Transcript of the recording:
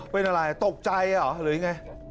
เป็นอะไรตกใจเหรอหรือยังไง